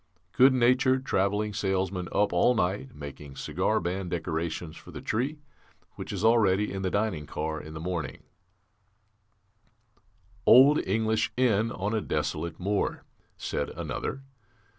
Good natured travelling salesman up all night, making cigar band decorations for the Tree, which is all ready in the dining car in the morning ""Old English inn on a desolate moor," said another.